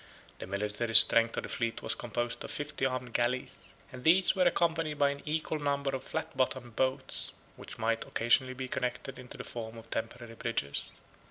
The military strength of the fleet was composed of fifty armed galleys; and these were accompanied by an equal number of flat bottomed boats, which might occasionally be connected into the form of temporary bridges.